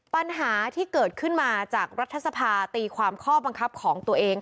ปัญหาที่เกิดขึ้นมาจากรัฐสภาตีความข้อบังคับของตัวเอง